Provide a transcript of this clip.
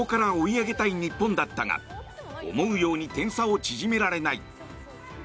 ここから追い上げたい日本だったが思うように点差を縮められない。